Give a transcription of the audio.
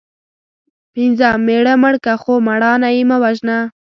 پنځم:مېړه مړ که خو مړانه یې مه وژنه